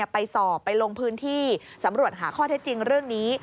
ไปสอบไปลงพื้นที่สำรวจหาข้อเท็จจริงเรื่องนี้